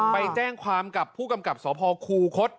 ไปแจ้งความกับผู้กำกับสพคูคศ